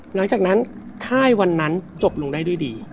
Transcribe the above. หลังจากนั้นค่ายวันนั้นจบลงได้ด้วยดี